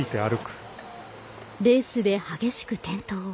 レースで激しく転倒。